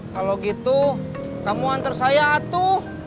kalau gitu kamu antar saya atuh